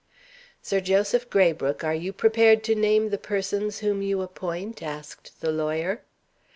"Sir Joseph Graybrooke, are you prepared to name the persons whom you appoint?" asked the lawyer.